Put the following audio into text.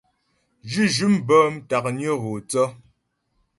Zhʉ́zhʉ̂m bə́ ntǎknyə gho thə.